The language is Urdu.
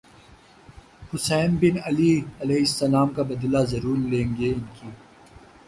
حسین بن علی رض کا بدلہ ضرور لیں گے انکی